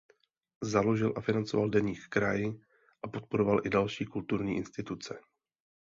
Založil a financoval deník "Kraj" a podporoval i další kulturní instituce.